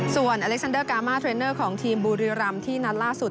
ส่วนอเล็กซันเดอร์กามาเทรนเนอร์ของทีมบุรีรำที่นัดล่าสุด